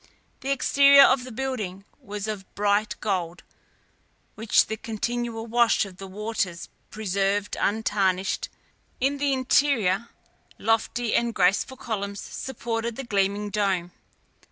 The exterior of the building was of bright gold, which the continual wash of the waters preserved untarnished; in the interior, lofty and graceful columns supported the gleaming dome.